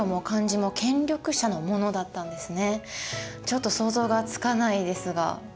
ちょっと想像がつかないですが。